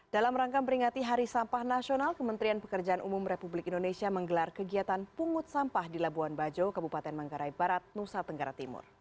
dalam rangka peringati hari sampah nasional kementerian pekerjaan umum republik indonesia menggelar kegiatan pungut sampah di labuan bajo kabupaten manggarai barat nusa tenggara timur